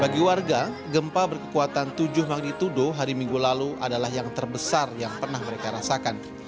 bagi warga gempa berkekuatan tujuh magnitudo hari minggu lalu adalah yang terbesar yang pernah mereka rasakan